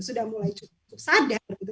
sudah mulai cukup sadar gitu